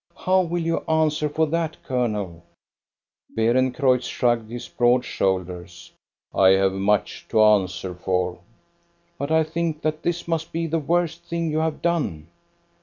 How will you answer for that, colonel.?" Beerencreutz shrugged his broad shoulders. " I have much to answer for. " "But I think that this must be the worst thing you have done."